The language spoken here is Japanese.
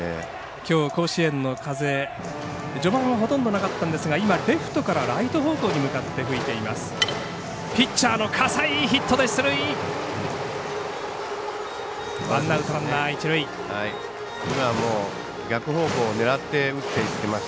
きょう、甲子園の風序盤はほとんどなかったんですが今、レフトからライト方向に向かって、吹いています。